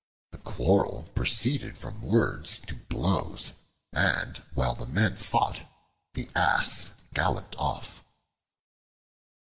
The quarrel proceeded from words to blows, and while the men fought, the Ass galloped off.